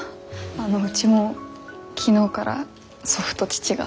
あのうちも昨日から祖父と父がぶつかってて。